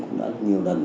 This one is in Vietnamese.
cũng đã nhiều lần